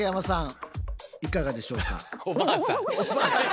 いかがでしょうか？